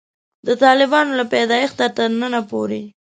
د طالبانو له پیدایښته تر ننه پورې.